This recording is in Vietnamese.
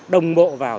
đồng bộ vào